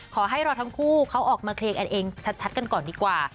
ขอให้รอทั้งคู่เขาออกมาเคลียร์กันเองชัดกันก่อนดีกว่า